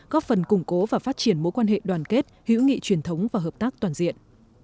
góp phần củng cố và phát triển mối quan hệ đoàn kết hữu nghị truyền thống và hợp tác toàn diện